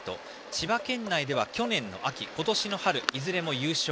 千葉県内では去年の秋今年の春、いずれも優勝。